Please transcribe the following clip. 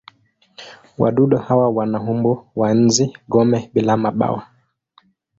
Wadudu hawa wana umbo wa nzi-gome bila mabawa.